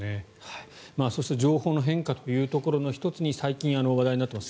そして情報の変化というところの１つに最近話題になっています